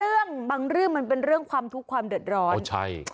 เรื่องบางเรื่องมันเป็นเรื่องความทุกข์ความเดือดร้อนใช่